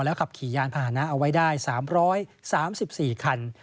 ขับขี่ยานพาหนะเอาไว้ได้๓๓๔คัน